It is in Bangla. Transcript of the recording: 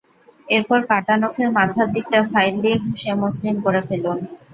এরপর কাটা নখের মাথার দিকটা ফাইল দিয়ে ঘষে মসৃণ করে ফেলুন।